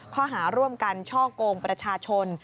ข้อหาร่วมกันช่อกงประชาชน